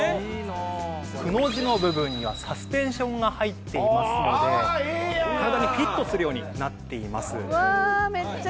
くの字の部分にはサスペンションが入っていますので体にフィットするようになっています。